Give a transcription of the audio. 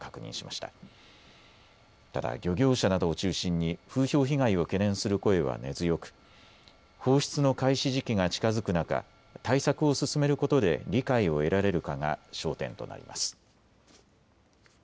ただ漁業者などを中心に風評被害を懸念する声は根強く放出の開始時期が近づく中対策を進めることで理解を得られるかが焦点となります。